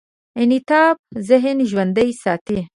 انعطاف ذهن ژوندي ساتي.